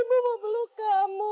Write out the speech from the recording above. ibu mau peluk kamu